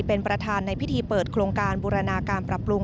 เป็นประธานในพิธีเปิดโครงการบูรณาการปรับปรุง